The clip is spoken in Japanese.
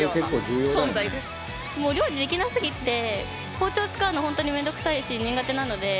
包丁使うの本当に面倒くさいし苦手なので。